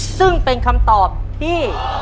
ซึ่งเป็นคำตอบที่